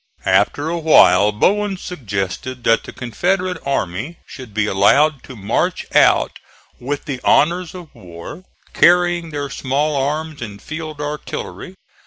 After a while Bowen suggested that the Confederate army should be allowed to march out with the honors of war, carrying their small arms and field artillery.